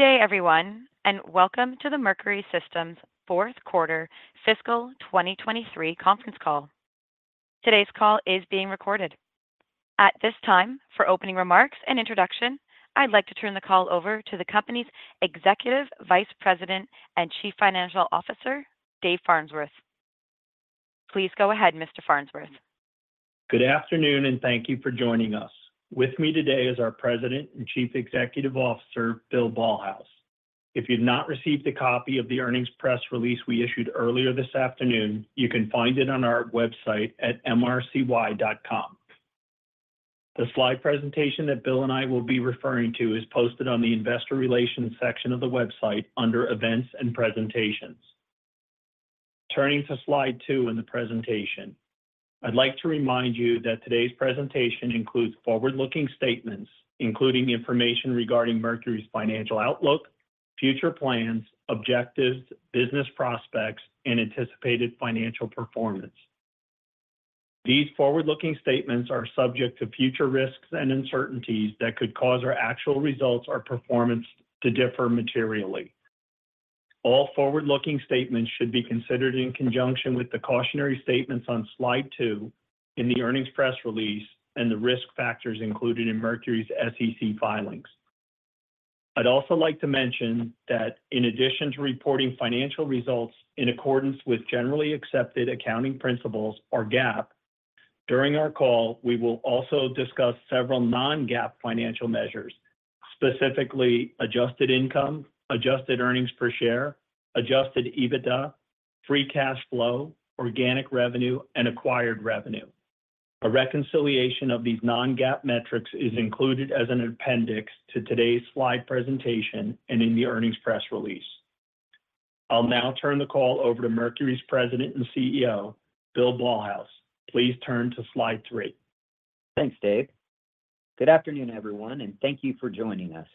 Good day, everyone, and welcome to the Mercury Systems fourth quarter fiscal 2023 conference call. Today's call is being recorded. At this time, for opening remarks a snd introduction, I'd like to turn the call over to the company's Executive Vice President and Chief Financial Officer, David Farnsworth. Please go ahead, Mr. Farnsworth. Good afternoon, and thank you for joining us. With me today is our President and Chief Executive Officer, Bill Ballhaus. If you've not received a copy of the earnings press release we issued earlier this afternoon, you can find it on our website at mrcy.com. The slide presentation that Bill and I will be referring to is posted on the Investor Relations section of the website under Events and Presentations. Turning to slide two in the presentation, I'd like to remind you that today's presentation includes forward-looking statements, including information regarding Mercury's financial outlook, future plans, objectives, business prospects, and anticipated financial performance. These forward-looking statements are subject to future risks and uncertainties that could cause our actual results or performance to differ materially. All forward-looking statements should be considered in conjunction with the cautionary statements on slide two in the earnings press release and the risk factors included in Mercury's SEC filings. I'd also like to mention that in addition to reporting financial results in accordance with generally accepted accounting principles or GAAP, during our call, we will also discuss several non-GAAP financial measures, specifically adjusted income, adjusted earnings per share, adjusted EBITDA, free cash flow, organic revenue, and acquired revenue. A reconciliation of these non-GAAP metrics is included as an appendix to today's slide presentation and in the earnings press release. I'll now turn the call over to Mercury's President and CEO, Bill Ballhaus. Please turn to slide three. Thanks, Dave. Good afternoon, everyone, and thank you for joining us.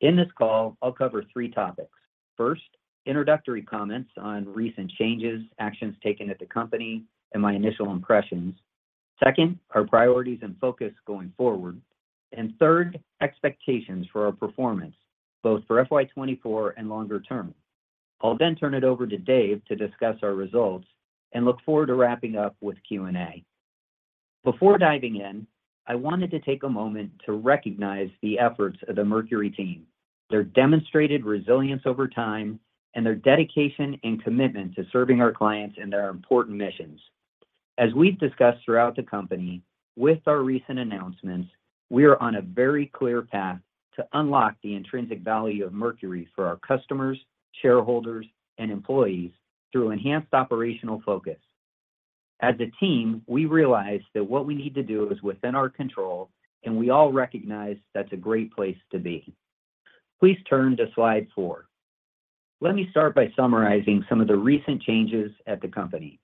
In this call, I'll cover three topics. First, introductory comments on recent changes, actions taken at the company, and my initial impressions. Second, our priorities and focus going forward. Third, expectations for our performance, both for FY 2024 and longer term. I'll then turn it over to Dave to discuss our results and look forward to wrapping up with Q&A. Before diving in, I wanted to take a moment to recognize the efforts of the Mercury team, their demonstrated resilience over time, and their dedication and commitment to serving our clients and their important missions. As we've discussed throughout the company, with our recent announcements, we are on a very clear path to unlock the intrinsic value of Mercury for our customers, shareholders, and employees through enhanced operational focus. As a team, we realize that what we need to do is within our control, and we all recognize that's a great place to be. Please turn to slide 4. Let me start by summarizing some of the recent changes at the company.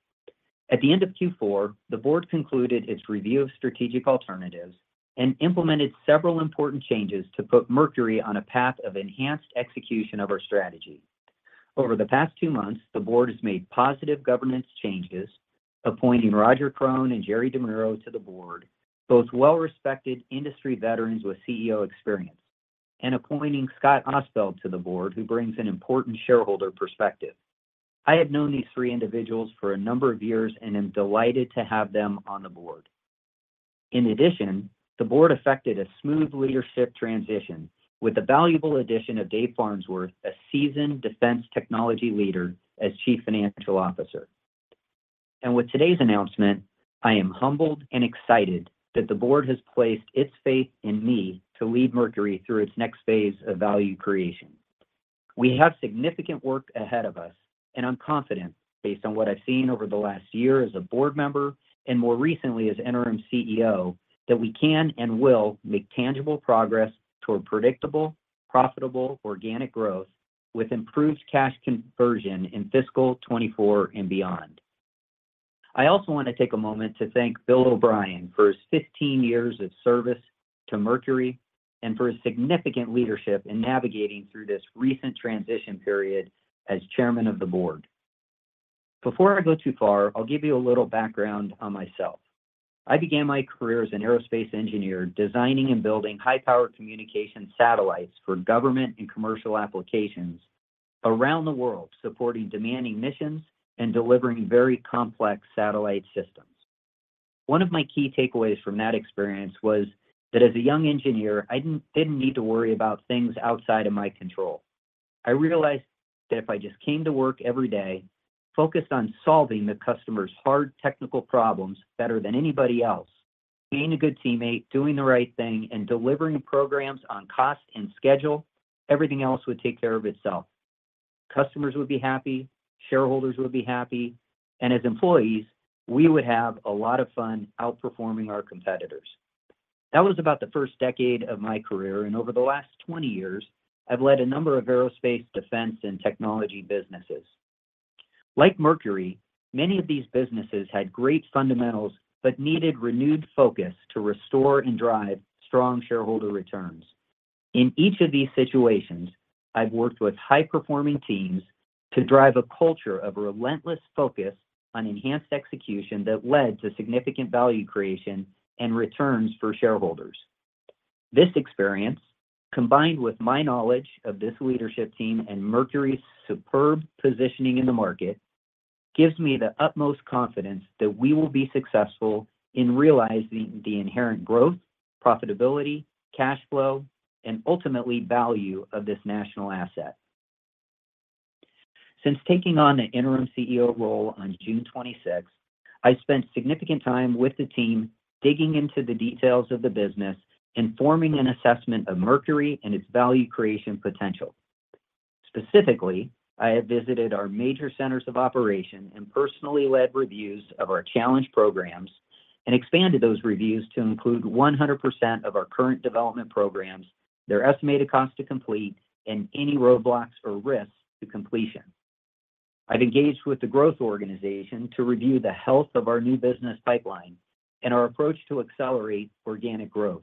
At the end of Q4, the board concluded its review of strategic alternatives and implemented several important changes to put Mercury on a path of enhanced execution of our strategy. Over the past 2 months, the board has made positive governance changes, appointing Roger Krone and Jerry DeMuro to the board, both well-respected industry veterans with CEO experience, and appointing Scott Ostfeld to the board, who brings an important shareholder perspective. I have known these 3 individuals for a number of years and am delighted to have them on the board. In addition, the board affected a smooth leadership transition with the valuable addition of David Farnsworth, a seasoned defense technology leader, as Chief Financial Officer. With today's announcement, I am humbled and excited that the board has placed its faith in me to lead Mercury through its next phase of value creation. We have significant work ahead of us, and I'm confident, based on what I've seen over the last year as a board member and more recently as interim CEO, that we can and will make tangible progress toward predictable, profitable, organic growth with improved cash conversion in fiscal 2024 and beyond. I also want to take a moment to thank Bill O'Brien for his 15 years of service to Mercury and for his significant leadership in navigating through this recent transition period as Chairman of the Board. Before I go too far, I'll give you a little background on myself. I began my career as an aerospace engineer, designing and building high-power communication satellites for government and commercial applications around the world, supporting demanding missions and delivering very complex satellite systems. One of my key takeaways from that experience was that as a young engineer, I didn't, didn't need to worry about things outside of my control. I realized that if I just came to work every day, focused on solving the customer's hard technical problems better than anybody else, being a good teammate, doing the right thing, and delivering programs on cost and schedule, everything else would take care of itself. Customers would be happy, shareholders would be happy, and as employees, we would have a lot of fun outperforming our competitors. That was about the first decade of my career, and over the last 20 years, I've led a number of aerospace, defense, and technology businesses. Like Mercury, many of these businesses had great fundamentals but needed renewed focus to restore and drive strong shareholder returns. In each of these situations, I've worked with high-performing teams to drive a culture of relentless focus on enhanced execution that led to significant value creation and returns for shareholders. This experience, combined with my knowledge of this leadership team and Mercury's superb positioning in the market, gives me the utmost confidence that we will be successful in realizing the inherent growth, profitability, cash flow, and ultimately value of this national asset. Since taking on the interim CEO role on June 26th, I spent significant time with the team, digging into the details of the business and forming an assessment of Mercury and its value creation potential. Specifically, I have visited our major centers of operation and personally led reviews of our challenged programs and expanded those reviews to include 100% of our current development programs, their estimated cost to complete, and any roadblocks or risks to completion. I've engaged with the growth organization to review the health of our new business pipeline and our approach to accelerate organic growth.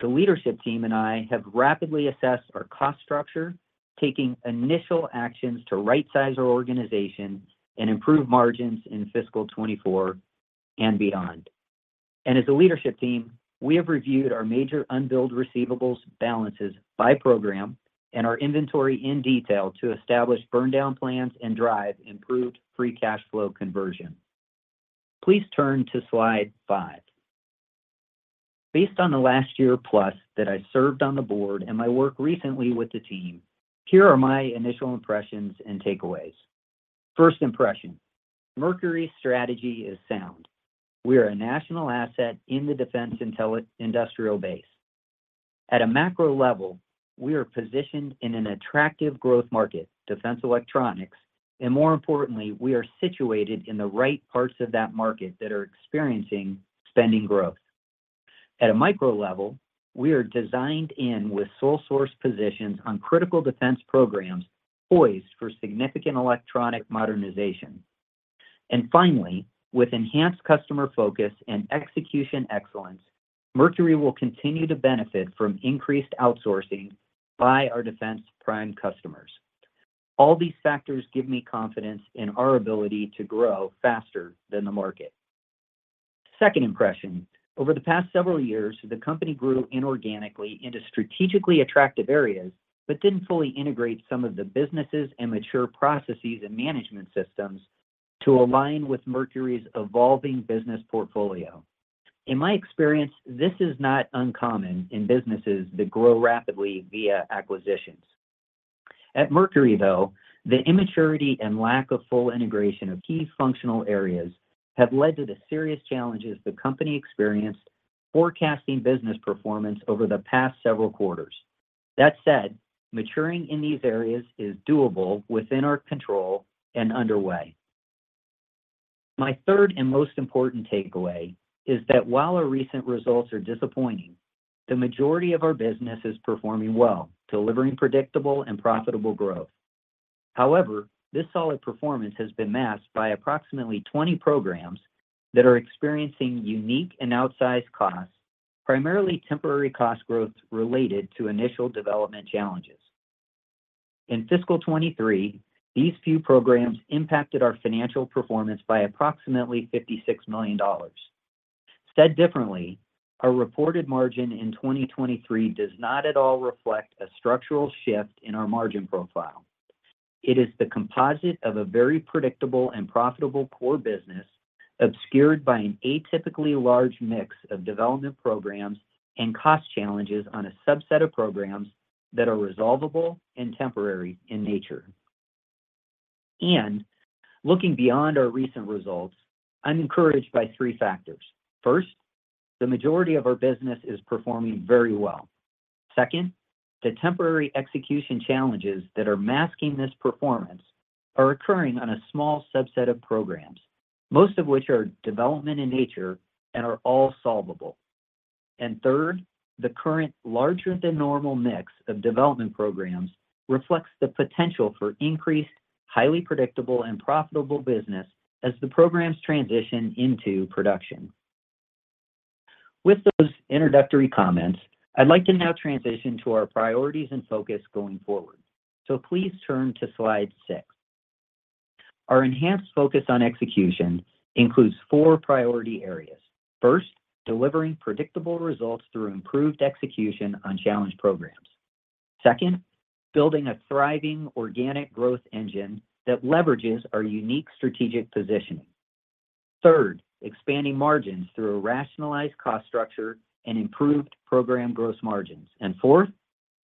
The leadership team and I have rapidly assessed our cost structure, taking initial actions to right-size our organization and improve margins in fiscal 2024 and beyond. As a leadership team, we have reviewed our major unbilled receivables balances by program and our inventory in detail to establish burn-down plans and drive improved free cash flow conversion. Please turn to slide 5. Based on the last year plus that I served on the board and my work recently with the team, here are my initial impressions and takeaways. First impression, Mercury's strategy is sound. We are a national asset in the defense industrial base. At a macro level, we are positioned in an attractive growth market, defense electronics, and more importantly, we are situated in the right parts of that market that are experiencing spending growth. At a micro level, we are designed in with sole source positions on critical defense programs poised for significant electronic modernization. Finally, with enhanced customer focus and execution excellence, Mercury will continue to benefit from increased outsourcing by our defense prime customers. All these factors give me confidence in our ability to grow faster than the market. Second impression, over the past several years, the company grew inorganically into strategically attractive areas, but didn't fully integrate some of the businesses and mature processes and management systems to align with Mercury's evolving business portfolio. In my experience, this is not uncommon in businesses that grow rapidly via acquisitions. At Mercury, though, the immaturity and lack of full integration of key functional areas have led to the serious challenges the company experienced forecasting business performance over the past several quarters. That said, maturing in these areas is doable within our control and underway. My third and most important takeaway is that while our recent results are disappointing, the majority of our business is performing well, delivering predictable and profitable growth. However, this solid performance has been masked by approximately 20 programs that are experiencing unique and outsized costs, primarily temporary cost growth related to initial development challenges. In fiscal 2023, these few programs impacted our financial performance by approximately $56 million. Said differently, our reported margin in 2023 does not at all reflect a structural shift in our margin profile. It is the composite of a very predictable and profitable core business, obscured by an atypically large mix of development programs and cost challenges on a subset of programs that are resolvable and temporary in nature. Looking beyond our recent results, I'm encouraged by three factors. First, the majority of our business is performing very well. Second, the temporary execution challenges that are masking this performance are occurring on a small subset of programs, most of which are development in nature and are all solvable. Third, the current larger than normal mix of development programs reflects the potential for increased, highly predictable, and profitable business as the programs transition into production. With those introductory comments, I'd like to now transition to our priorities and focus going forward. Please turn to slide 6. Our enhanced focus on execution includes four priority areas. First, delivering predictable results through improved execution on challenged programs. Second, building a thriving organic growth engine that leverages our unique strategic positioning. Third, expanding margins through a rationalized cost structure and improved program gross margins. Fourth,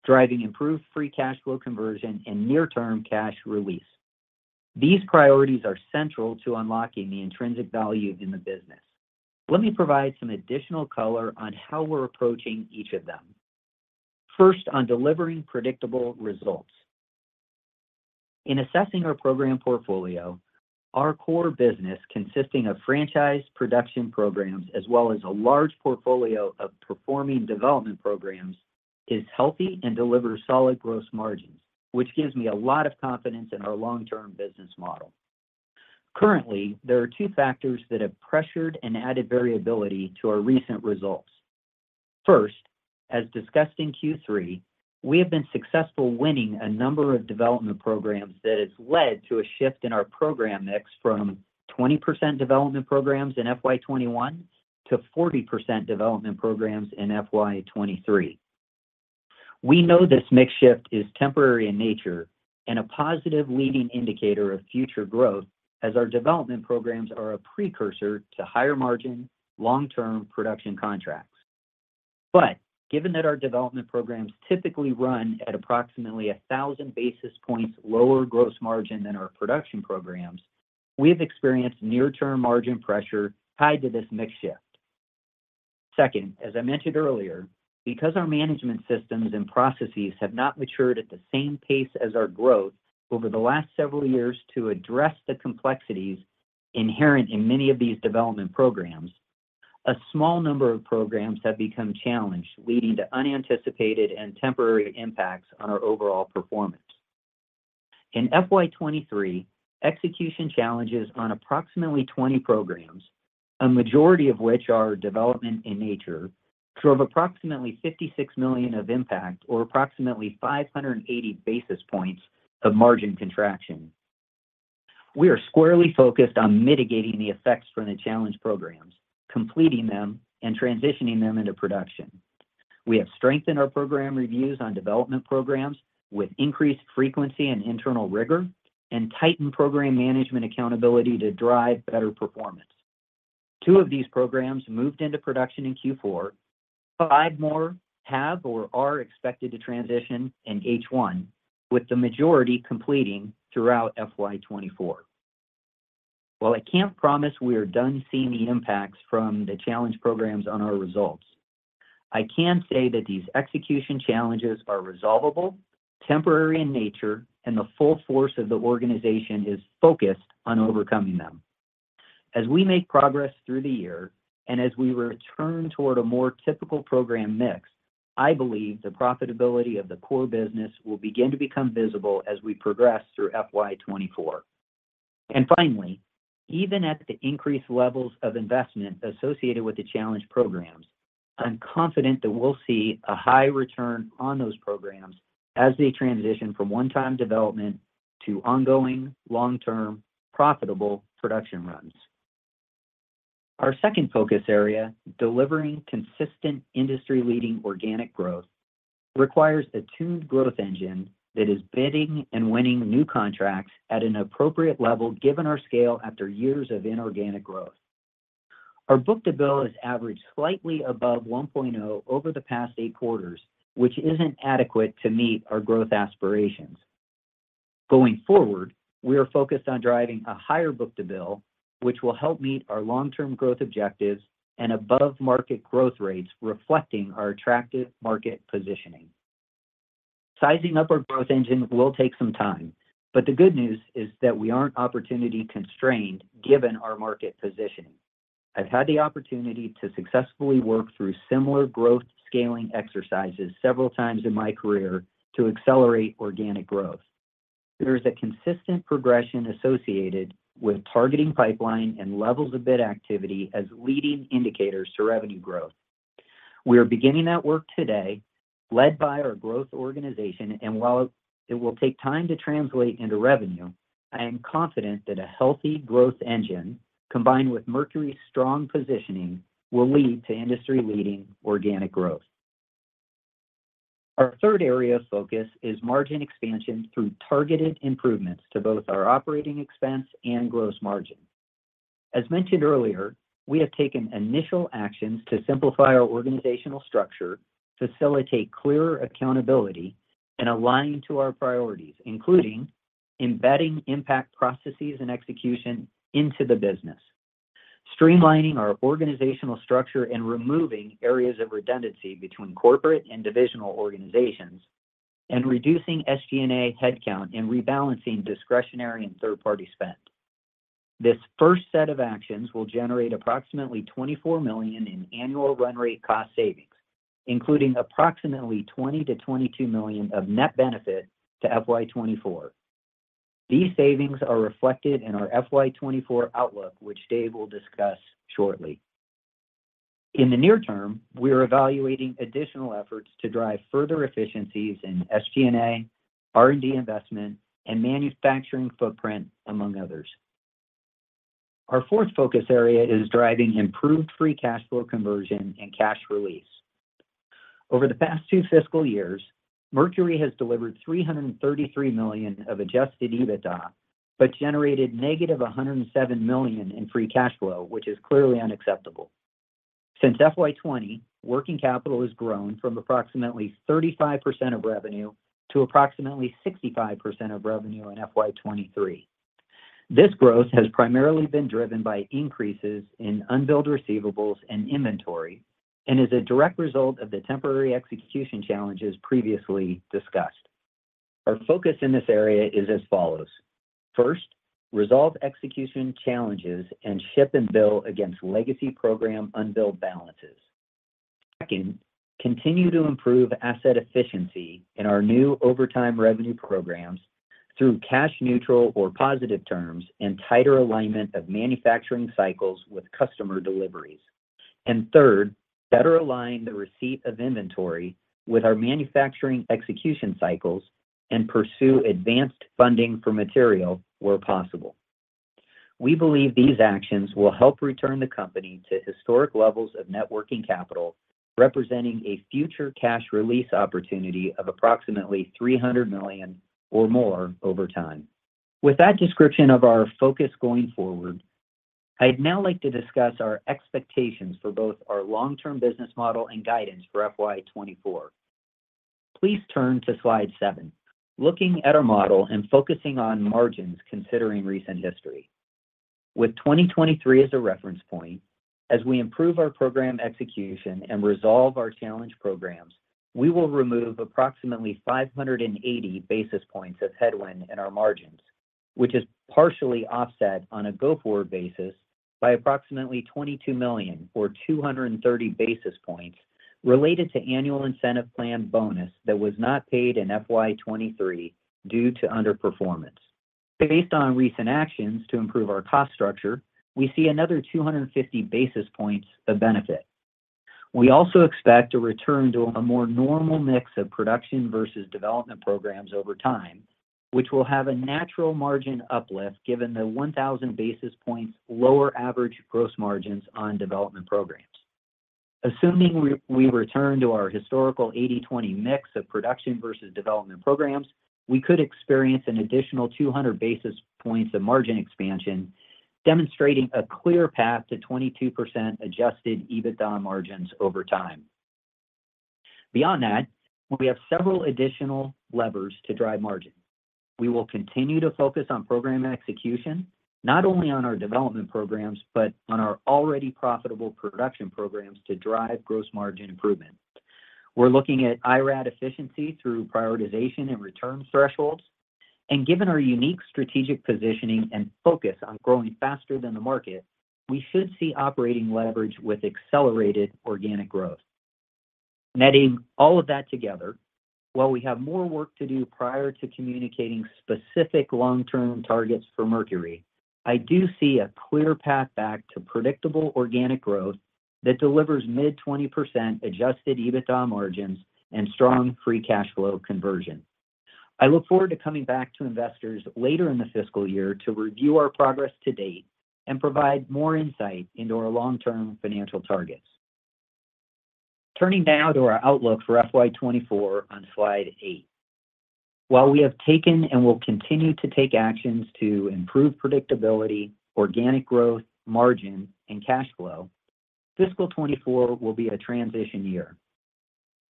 driving improved free cash flow conversion and near-term cash release. These priorities are central to unlocking the intrinsic value in the business. Let me provide some additional color on how we're approaching each of them. First, on delivering predictable results. In assessing our program portfolio, our core business, consisting of franchise production programs, as well as a large portfolio of performing development programs, is healthy and delivers solid gross margins, which gives me a lot of confidence in our long-term business model. Currently, there are two factors that have pressured and added variability to our recent results. First, as discussed in Q3, we have been successful winning a number of development programs that has led to a shift in our program mix from 20% development programs in FY 2021, to 40% development programs in FY 2023. We know this mix shift is temporary in nature and a positive leading indicator of future growth, as our development programs are a precursor to higher margin, long-term production contracts. Given that our development programs typically run at approximately 1,000 basis points lower gross margin than our production programs, we have experienced near-term margin pressure tied to this mix shift. Second, as I mentioned earlier, because our management systems and processes have not matured at the same pace as our growth over the last several years to address the complexities inherent in many of these development programs, a small number of programs have become challenged, leading to unanticipated and temporary impacts on our overall performance. In FY 2023, execution challenges on approximately 20 programs, a majority of which are development in nature, drove approximately $56 million of impact or approximately 580 basis points of margin contraction. We are squarely focused on mitigating the effects from the challenged programs, completing them, and transitioning them into production. We have strengthened our program reviews on development programs with increased frequency and internal rigor, and tightened program management accountability to drive better performance. Two of these programs moved into production in Q4, five more have or are expected to transition in H1, with the majority completing throughout FY 2024. While I can't promise we are done seeing the impacts from the challenged programs on our results, I can say that these execution challenges are resolvable, temporary in nature, and the full force of the organization is focused on overcoming them. As we make progress through the year and as we return toward a more typical program mix, I believe the profitability of the core business will begin to become visible as we progress through FY 2024. Finally, even at the increased levels of investment associated with the challenged programs, I'm confident that we'll see a high return on those programs as they transition from one-time development to ongoing, long-term, profitable production runs. Our second focus area, delivering consistent industry-leading organic growth, requires a tuned growth engine that is bidding and winning new contracts at an appropriate level, given our scale after years of inorganic growth. Our book-to-bill has averaged slightly above 1.0 over the past 8 quarters, which isn't adequate to meet our growth aspirations. Going forward, we are focused on driving a higher book-to-bill, which will help meet our long-term growth objectives and above-market growth rates, reflecting our attractive market positioning. Sizing up our growth engine will take some time, but the good news is that we aren't opportunity-constrained given our market positioning. I've had the opportunity to successfully work through similar growth scaling exercises several times in my career to accelerate organic growth. There is a consistent progression associated with targeting pipeline and levels of bid activity as leading indicators to revenue growth. We are beginning that work today, led by our growth organization, and while it will take time to translate into revenue, I am confident that a healthy growth engine, combined with Mercury's strong positioning, will lead to industry-leading organic growth. Our third area of focus is margin expansion through targeted improvements to both our operating expense and gross margin. As mentioned earlier, we have taken initial actions to simplify our organizational structure, facilitate clearer accountability, and aligning to our priorities, including embedding impact processes and execution into the business. Streamlining our organizational structure and removing areas of redundancy between corporate and divisional organizations, reducing SG&A headcount and rebalancing discretionary and third-party spend. This first set of actions will generate approximately $24 million in annual run rate cost savings, including approximately $20 million-$22 million of net benefit to FY 2024. These savings are reflected in our FY 2024 outlook, which Dave will discuss shortly. In the near term, we are evaluating additional efforts to drive further efficiencies in SG&A, R&D investment, and manufacturing footprint, among others. Our fourth focus area is driving improved free cash flow conversion and cash release. Over the past 2 fiscal years, Mercury has delivered $333 million of adjusted EBITDA, generated negative $107 million in free cash flow, which is clearly unacceptable. Since FY 20, working capital has grown from approximately 35% of revenue to approximately 65% of revenue in FY 2023. This growth has primarily been driven by increases in unbilled receivables and inventory, is a direct result of the temporary execution challenges previously discussed. Our focus in this area is as follows: First, resolve execution challenges and ship and bill against legacy program unbilled balances. Second, continue to improve asset efficiency in our new over-time revenue programs through cash neutral or positive terms and tighter alignment of manufacturing cycles with customer deliveries. Third, better align the receipt of inventory with our manufacturing execution cycles and pursue advanced funding for material where possible. We believe these actions will help return the company to historic levels of net working capital, representing a future cash release opportunity of approximately $300 million or more over time. With that description of our focus going forward, I'd now like to discuss our expectations for both our long-term business model and guidance for FY 2024. Please turn to slide 7. Looking at our model and focusing on margins, considering recent history. With 2023 as a reference point, as we improve our program execution and resolve our challenged programs, we will remove approximately 580 basis points of headwind in our margins, which is partially offset on a go-forward basis by approximately $22 million or 230 basis points related to annual incentive plan bonus that was not paid in FY 2023 due to underperformance. Based on recent actions to improve our cost structure, we see another 250 basis points of benefit. We also expect to return to a more normal mix of production versus development programs over time, which will have a natural margin uplift, given the 1,000 basis points lower average gross margins on development programs. Assuming we return to our historical 80/20 mix of production versus development programs, we could experience an additional 200 basis points of margin expansion, demonstrating a clear path to 22% adjusted EBITDA margins over time. Beyond that, we have several additional levers to drive margin. We will continue to focus on program execution, not only on our development programs, but on our already profitable production programs to drive gross margin improvement. We're looking at IRAD efficiency through prioritization and return thresholds, given our unique strategic positioning and focus on growing faster than the market, we should see operating leverage with accelerated organic growth. Netting all of that together, while we have more work to do prior to communicating specific long-term targets for Mercury, I do see a clear path back to predictable organic growth that delivers mid-20% adjusted EBITDA margins and strong free cash flow conversion. I look forward to coming back to investors later in the fiscal year to review our progress to date and provide more insight into our long-term financial targets. Turning now to our outlook for FY 2024 on slide 8. While we have taken and will continue to take actions to improve predictability, organic growth, margin, and cash flow, fiscal 2024 will be a transition year.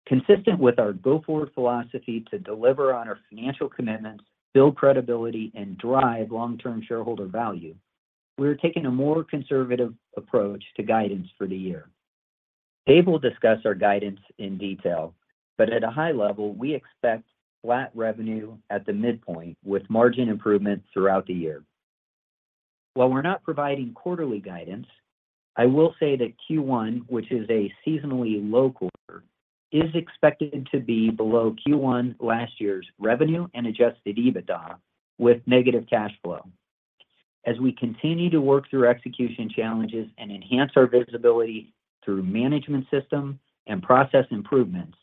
Consistent with our go-forward philosophy to deliver on our financial commitments, build credibility, and drive long-term shareholder value, we are taking a more conservative approach to guidance for the year. Dave will discuss our guidance in detail, but at a high level, we expect flat revenue at the midpoint, with margin improvements throughout the year. While we're not providing quarterly guidance, I will say that Q1, which is a seasonally low quarter, is expected to be below Q1 last year's revenue and adjusted EBITDA with negative cash flow. As we continue to work through execution challenges and enhance our visibility through management system and process improvements,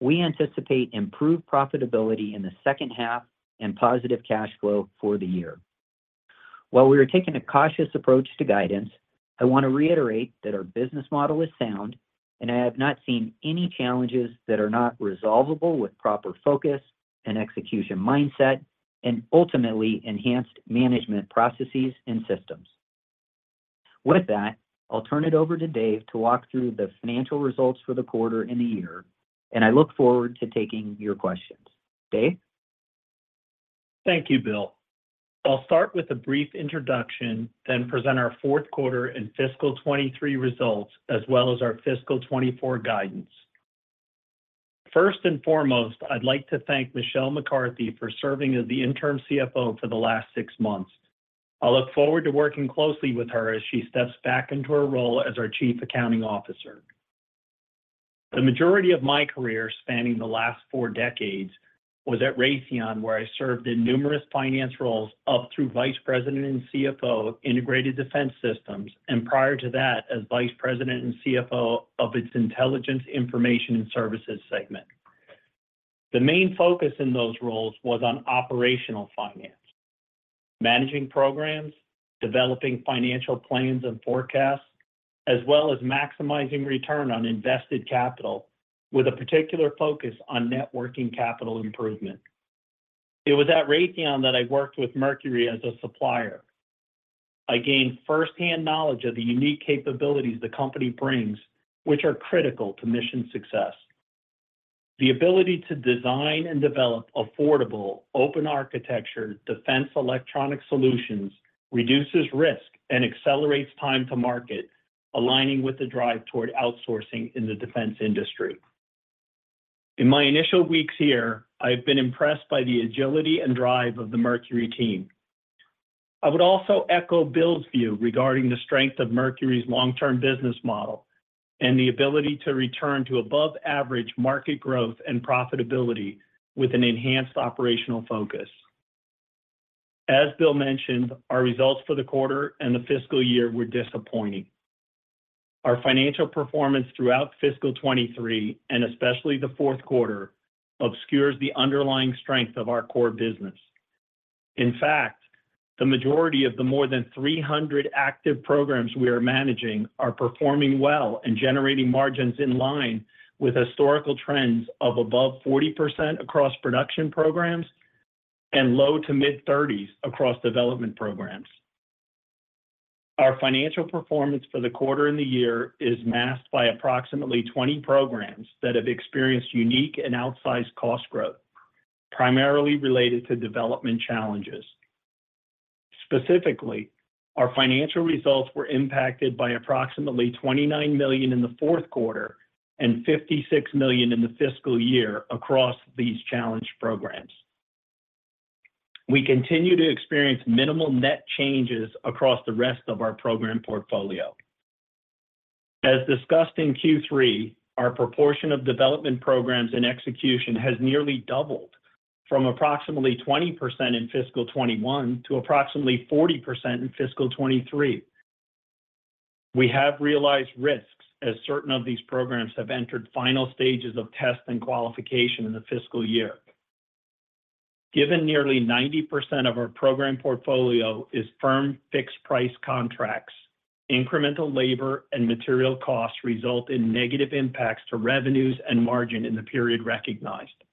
we anticipate improved profitability in the second half and positive cash flow for the year. While we are taking a cautious approach to guidance, I want to reiterate that our business model is sound, and I have not seen any challenges that are not resolvable with proper focus and execution mindset, and ultimately enhanced management processes and systems. With that, I'll turn it over to Dave to walk through the financial results for the quarter and the year, and I look forward to taking your questions. Dave? Thank you, Bill. I'll start with a brief introduction, then present our fourth quarter and fiscal 23 results, as well as our fiscal 24 guidance. First and foremost, I'd like to thank Michelle McCarthy for serving as the interim CFO for the last 6 months. I look forward to working closely with her as she steps back into her role as our Chief Accounting Officer. The majority of my career, spanning the last 4 decades, was at Raytheon, where I served in numerous finance roles up through Vice President and CFO of Integrated Defense Systems, and prior to that, as Vice President and CFO of its Intelligence, Information and Services segment. The main focus in those roles was on operational finance, managing programs, developing financial plans and forecasts, as well as maximizing return on invested capital, with a particular focus on networking capital improvement. It was at Raytheon that I worked with Mercury as a supplier. I gained firsthand knowledge of the unique capabilities the company brings, which are critical to mission success. The ability to design and develop affordable, open-architecture defense electronic solutions reduces risk and accelerates time to market, aligning with the drive toward outsourcing in the defense industry. In my initial weeks here, I've been impressed by the agility and drive of the Mercury team. I would also echo Bill's view regarding the strength of Mercury's long-term business model and the ability to return to above-average market growth and profitability with an enhanced operational focus. As Bill mentioned, our results for the quarter and the fiscal year were disappointing. Our financial performance throughout fiscal 2023, and especially the fourth quarter, obscures the underlying strength of our core business. In fact, the majority of the more than 300 active programs we are managing are performing well and generating margins in line with historical trends of above 40% across production programs and low to mid-thirties across development programs. Our financial performance for the quarter and the year is masked by approximately 20 programs that have experienced unique and outsized cost growth, primarily related to development challenges. Specifically, our financial results were impacted by approximately $29 million in the fourth quarter and $56 million in the fiscal year across these challenged programs. We continue to experience minimal net changes across the rest of our program portfolio. As discussed in Q3, our proportion of development programs and execution has nearly doubled from approximately 20% in fiscal 2021 to approximately 40% in fiscal 2023. We have realized risks as certain of these programs have entered final stages of test and qualification in the fiscal year. Given nearly 90% of our program portfolio is firm-fixed-price contracts, incremental labor and material costs result in negative impacts to revenues and margin in the period recognized.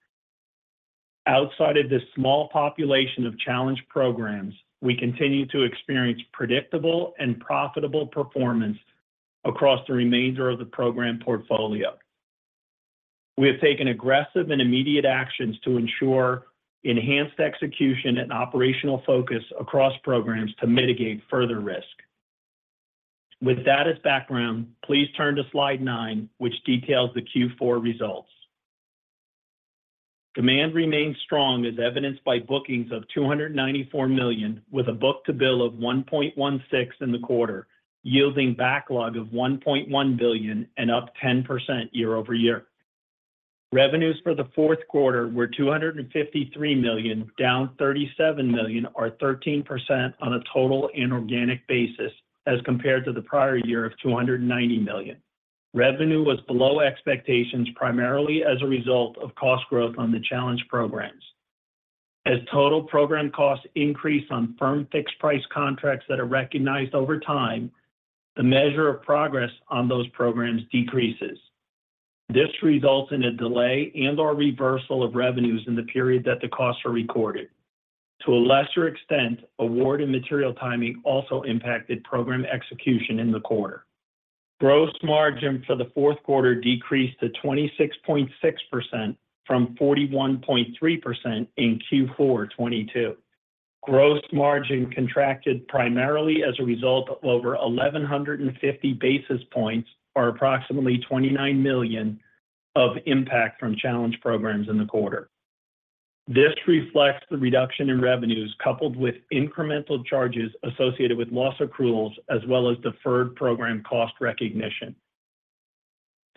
Outside of this small population of challenged programs, we continue to experience predictable and profitable performance across the remainder of the program portfolio. We have taken aggressive and immediate actions to ensure enhanced execution and operational focus across programs to mitigate further risk. With that as background, please turn to slide nine, which details the Q4 results. Demand remains strong, as evidenced by bookings of $294 million, with a book-to-bill of 1.16 in the quarter, yielding backlog of $1.1 billion and up 10% year-over-year. Revenues for the fourth quarter were $253 million, down $37 million, or 13% on a total inorganic basis as compared to the prior year of $290 million. Revenue was below expectations, primarily as a result of cost growth on the challenged programs. As total program costs increase on firm-fixed-price contracts that are recognized over time, the measure of progress on those programs decreases. This results in a delay and/or reversal of revenues in the period that the costs are recorded. To a lesser extent, award and material timing also impacted program execution in the quarter. Gross margin for the fourth quarter decreased to 26.6% from 41.3% in Q4 2022. Gross margin contracted primarily as a result of over 1,150 basis points or approximately $29 million of impact from challenged programs in the quarter. This reflects the reduction in revenues, coupled with incremental charges associated with loss accruals as well as deferred program cost recognition.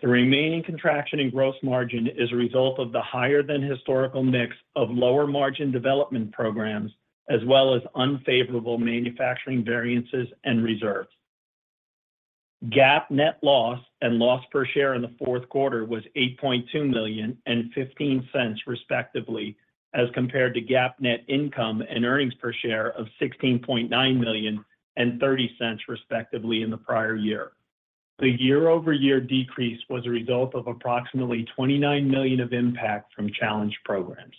The remaining contraction in gross margin is a result of the higher than historical mix of lower-margin development programs, as well as unfavorable manufacturing variances and reserves. GAAP net loss and loss per share in the fourth quarter was $8.2 million and $0.15, respectively, as compared to GAAP net income and earnings per share of $16.9 million and $0.30, respectively, in the prior year. The year-over-year decrease was a result of approximately $29 million of impact from challenged programs.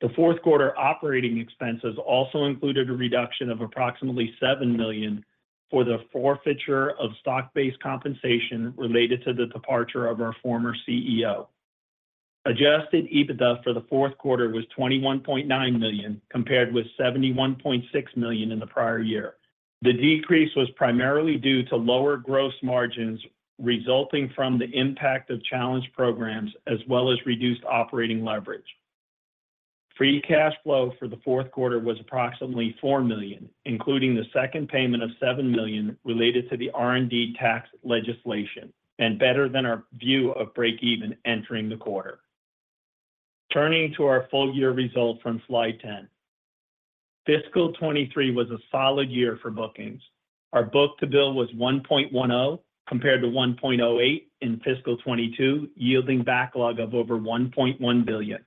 The fourth quarter operating expenses also included a reduction of approximately $7 million for the forfeiture of stock-based compensation related to the departure of our former CEO. Adjusted EBITDA for the fourth quarter was $21.9 million, compared with $71.6 million in the prior year. The decrease was primarily due to lower gross margins resulting from the impact of challenged programs, as well as reduced operating leverage. Free cash flow for the fourth quarter was approximately $4 million, including the second payment of $7 million related to the R&D tax legislation, and better than our view of break even entering the quarter. Turning to our full year results from slide 10. Fiscal 2023 was a solid year for bookings. Our book-to-bill was 1.10, compared to 1.08 in fiscal 2022, yielding backlog of over $1.1 billion.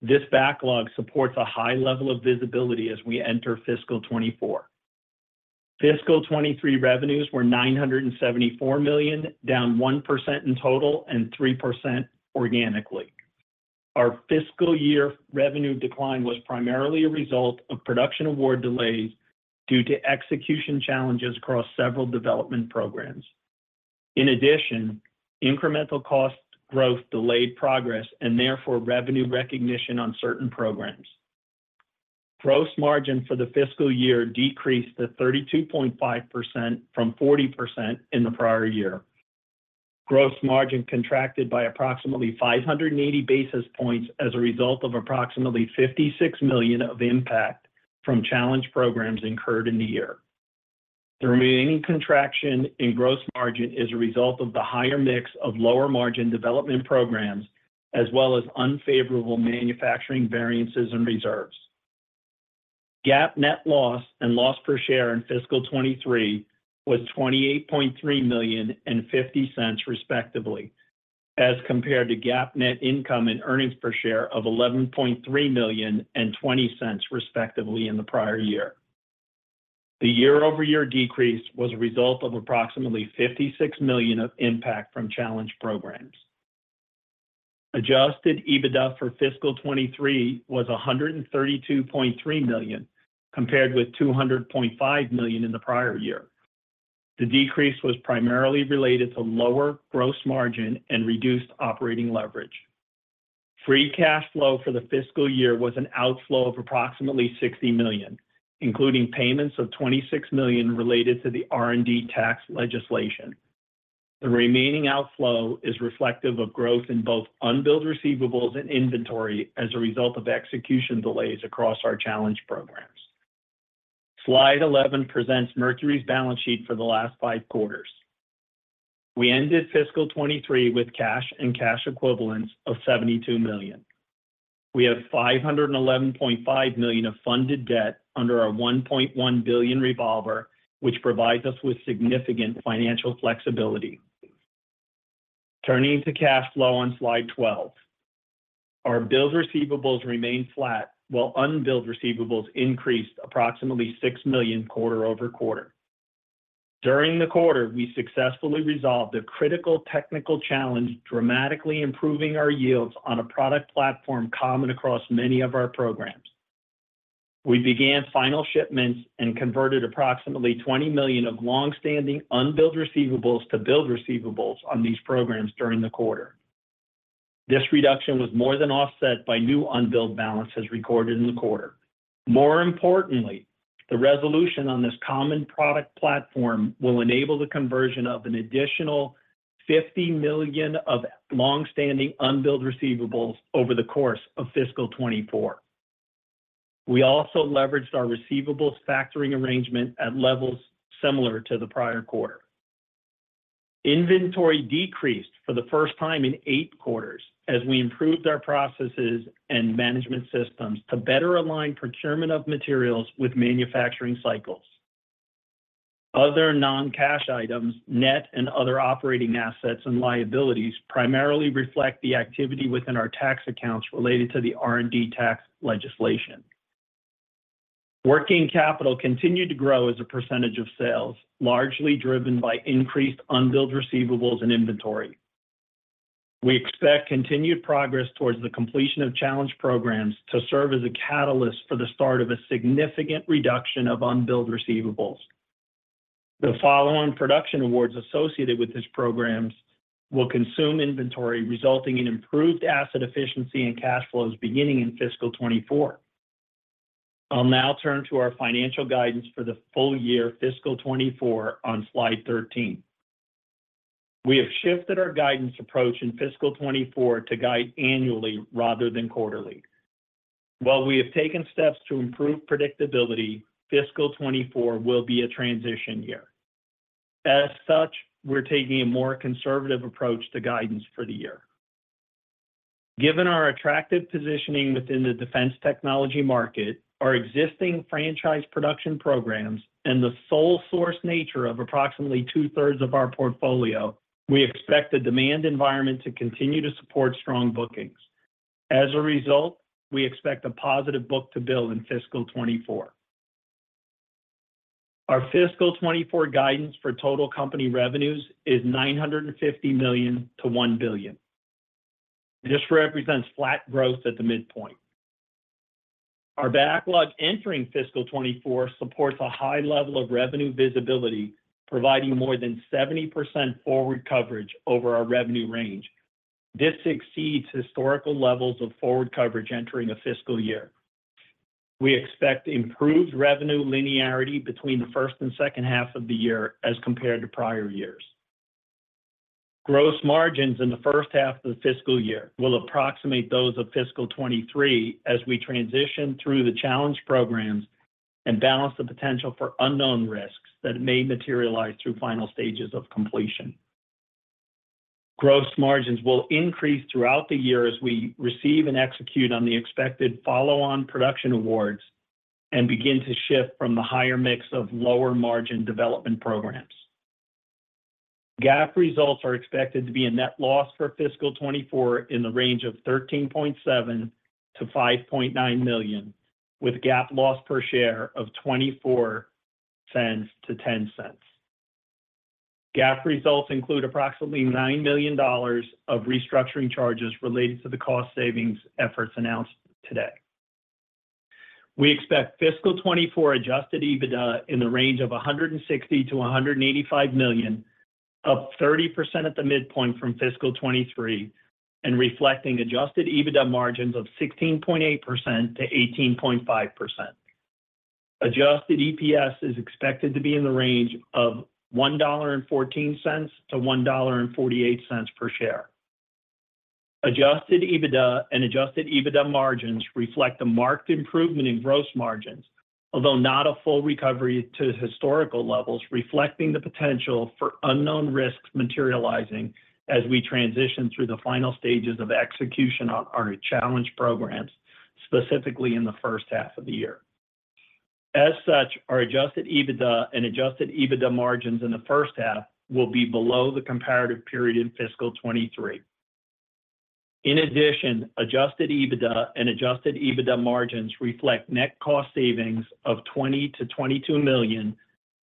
This backlog supports a high level of visibility as we enter fiscal 2024. Fiscal 2023 revenues were $974 million, down 1% in total and 3% organically. Our fiscal year revenue decline was primarily a result of production award delays due to execution challenges across several development programs. In addition, incremental cost growth delayed progress and therefore revenue recognition on certain programs. Gross margin for the fiscal year decreased to 32.5% from 40% in the prior year. Gross margin contracted by approximately 580 basis points as a result of approximately $56 million of impact from challenged programs incurred in the year. The remaining contraction in gross margin is a result of the higher mix of lower margin development programs, as well as unfavorable manufacturing variances and reserves. GAAP net loss and loss per share in fiscal 2023 was $28.3 million and $0.50, respectively, as compared to GAAP net income and earnings per share of $11.3 million and $0.20, respectively, in the prior year. The year-over-year decrease was a result of approximately $56 million of impact from challenged programs. Adjusted EBITDA for fiscal 2023 was $132.3 million, compared with $200.5 million in the prior year. The decrease was primarily related to lower gross margin and reduced operating leverage. Free cash flow for the fiscal year was an outflow of approximately $60 million, including payments of $26 million related to the R&D tax legislation. The remaining outflow is reflective of growth in both unbilled receivables and inventory as a result of execution delays across our challenged programs. Slide 11 presents Mercury's balance sheet for the last 5 quarters. We ended fiscal 2023 with cash and cash equivalents of $72 million. We have $511.5 million of funded debt under our $1.1 billion revolver, which provides us with significant financial flexibility. Turning to cash flow on slide 12. Our billed receivables remained flat, while unbilled receivables increased approximately $6 million quarter-over-quarter. During the quarter, we successfully resolved a critical technical challenge, dramatically improving our yields on a product platform common across many of our programs. We began final shipments and converted approximately $20 million of long-standing unbilled receivables to billed receivables on these programs during the quarter. This reduction was more than offset by new unbilled balances recorded in the quarter. More importantly, the resolution on this common product platform will enable the conversion of an additional $50 million of long-standing unbilled receivables over the course of fiscal 2024. We also leveraged our receivables factoring arrangement at levels similar to the prior quarter. Inventory decreased for the first time in 8 quarters as we improved our processes and management systems to better align procurement of materials with manufacturing cycles. Other non-cash items, net and other operating assets and liabilities, primarily reflect the activity within our tax accounts related to the R&D tax legislation. Working capital continued to grow as a percentage of sales, largely driven by increased unbilled receivables and inventory. We expect continued progress towards the completion of challenged programs to serve as a catalyst for the start of a significant reduction of unbilled receivables. The follow-on production awards associated with these programs will consume inventory, resulting in improved asset efficiency and cash flows beginning in fiscal 2024. I'll now turn to our financial guidance for the full year fiscal 2024 on slide 13. We have shifted our guidance approach in fiscal 2024 to guide annually rather than quarterly. While we have taken steps to improve predictability, fiscal 2024 will be a transition year. As such, we're taking a more conservative approach to guidance for the year. Given our attractive positioning within the defense technology market, our existing franchise production programs, and the sole source nature of approximately two-thirds of our portfolio, we expect the demand environment to continue to support strong bookings. As a result, we expect a positive book-to-bill in fiscal 2024. Our fiscal 2024 guidance for total company revenues is $950 million-$1 billion. This represents flat growth at the midpoint. Our backlog entering fiscal 2024 supports a high level of revenue visibility, providing more than 70% forward coverage over our revenue range. This exceeds historical levels of forward coverage entering a fiscal year. We expect improved revenue linearity between the first and second half of the year as compared to prior years. Gross margins in the first half of the fiscal year will approximate those of fiscal 2023 as we transition through the challenged programs and balance the potential for unknown risks that may materialize through final stages of completion. Gross margins will increase throughout the year as we receive and execute on the expected follow-on production awards and begin to shift from the higher mix of lower-margin development programs. GAAP results are expected to be a net loss for fiscal 2024 in the range of $13.7 million-$5.9 million, with GAAP loss per share of $0.24-$0.10. GAAP results include approximately $9 million of restructuring charges related to the cost savings efforts announced today. We expect fiscal 2024 adjusted EBITDA in the range of $160 million-$185 million-... up 30% at the midpoint from fiscal 2023, and reflecting adjusted EBITDA margins of 16.8%-18.5%. Adjusted EPS is expected to be in the range of $1.14-$1.48 per share. Adjusted EBITDA and adjusted EBITDA margins reflect a marked improvement in gross margins, although not a full recovery to historical levels, reflecting the potential for unknown risks materializing as we transition through the final stages of execution on our challenged programs, specifically in the first half of the year. As such, our adjusted EBITDA and adjusted EBITDA margins in the first half will be below the comparative period in fiscal 2023. In addition, adjusted EBITDA and adjusted EBITDA margins reflect net cost savings of $20 million-$22 million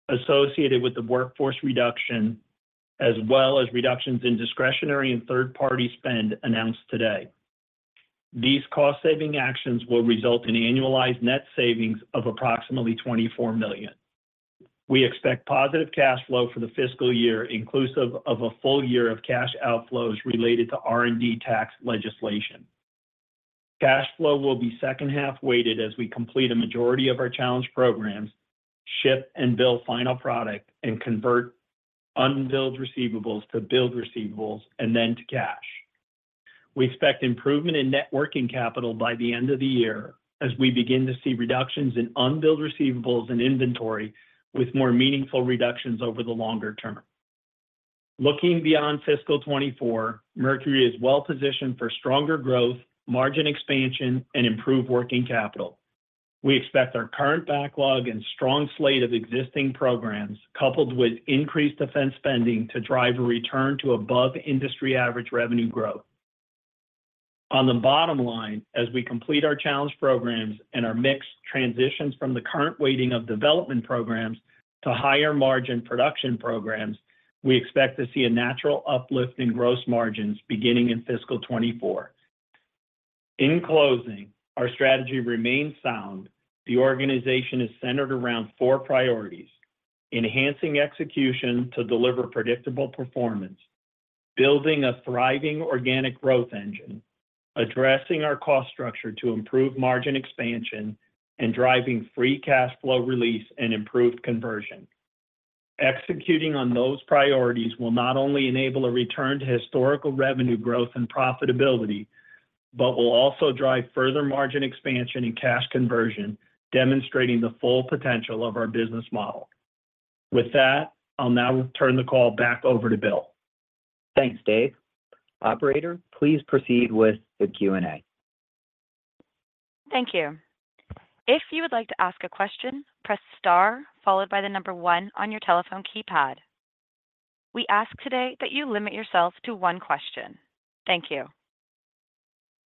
associated with the workforce reduction, as well as reductions in discretionary and third-party spend announced today. These cost-saving actions will result in annualized net savings of approximately $24 million. We expect positive cash flow for the fiscal year, inclusive of a full year of cash outflows related to R&D tax legislation. Cash flow will be second-half weighted as we complete a majority of our challenged programs, ship and bill final product, and convert unbilled receivables to billed receivables and then to cash. We expect improvement in net working capital by the end of the year as we begin to see reductions in unbilled receivables and inventory, with more meaningful reductions over the longer term. Looking beyond fiscal 2024, Mercury is well positioned for stronger growth, margin expansion, and improved working capital. We expect our current backlog and strong slate of existing programs, coupled with increased defense spending, to drive a return to above-industry-average revenue growth. On the bottom line, as we complete our challenged programs and our mix transitions from the current weighting of development programs to higher-margin production programs, we expect to see a natural uplift in gross margins beginning in fiscal 2024. In closing, our strategy remains sound. The organization is centered around four priorities: enhancing execution to deliver predictable performance, building a thriving organic growth engine, addressing our cost structure to improve margin expansion, and driving free cash flow release and improved conversion. Executing on those priorities will not only enable a return to historical revenue growth and profitability, but will also drive further margin expansion and cash conversion, demonstrating the full potential of our business model. With that, I'll now turn the call back over to Bill. Thanks, Dave. Operator, please proceed with the Q&A. Thank you. If you would like to ask a question, press *, followed by the number one on your telephone keypad. We ask today that you limit yourself to one question. Thank you.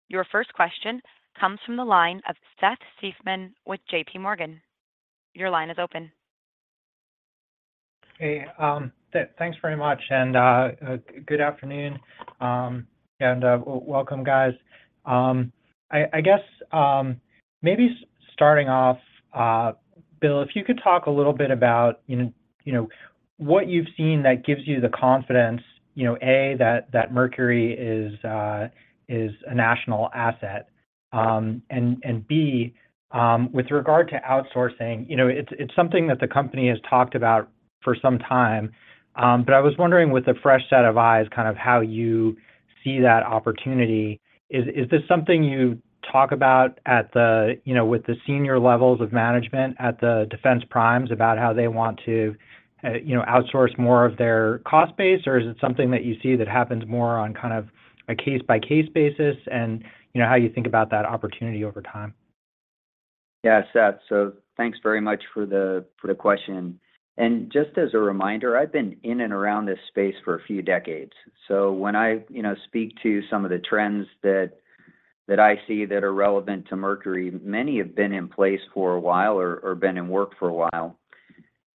Your first question comes from the line of Seth Seifman with J.P. Morgan. Your line is open. Hey, thanks very much and good afternoon, and welcome, guys. I, I guess, maybe starting off, Bill, if you could talk a little bit about, you know, you know, what you've seen that gives you the confidence, you know, A, that, that Mercury is, is a national asset, and B, with regard to outsourcing, you know, it's, it's something that the company has talked about for some time. But I was wondering, with a fresh set of eyes, kind of how you see that opportunity. Is, is this something you talk about at the, you know, with the senior levels of management at the defense primes about how they want to, outsource more of their cost base? is it something that you see that happens more on kind of a case-by-case basis, and, you know, how you think about that opportunity over time? Yeah, Seth, so thanks very much for the, for the question. Just as a reminder, I've been in and around this space for a few decades. When I, you know, speak to some of the trends that, that I see that are relevant to Mercury, many have been in place for a while or, or been in work for a while.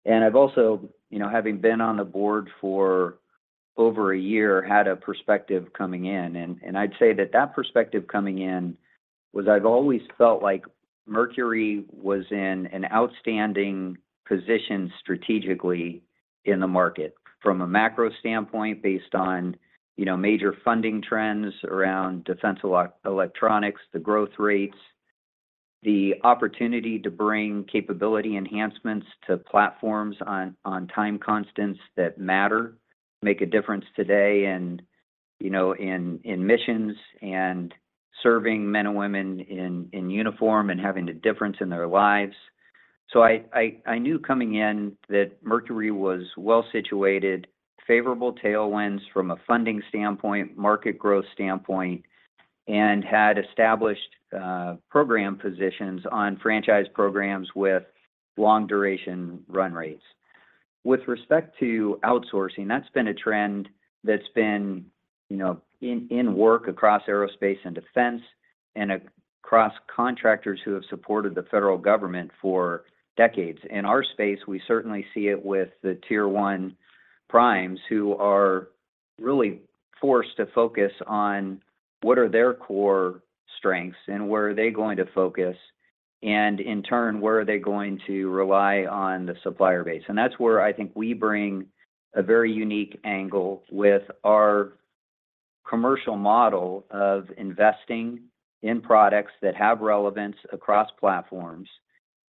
I've also, you know, having been on the board for over a year, had a perspective coming in, and, and I'd say that that perspective coming in was I've always felt like Mercury was in an outstanding position strategically in the market. From a macro standpoint, based on, you know, major funding trends around defense electronics, the growth rates, the opportunity to bring capability enhancements to platforms on time constants that matter, make a difference today and, you know, in missions and serving men and women in uniform and having a difference in their lives. So I, I, I knew coming in that Mercury was well-situated, favorable tailwinds from a funding standpoint, market growth standpoint, and had established program positions on franchise programs with long-duration run rates. With respect to outsourcing, that's been a trend that's been, you know, in work across aerospace and defense and across contractors who have supported the federal government for decades. In our space, we certainly see it with the tier one primes, who are really forced to focus on what are their core strengths and where are they going to focus? In turn, where are they going to rely on the supplier base? That's where I think we bring a very unique angle with our commercial model of investing in products that have relevance across platforms.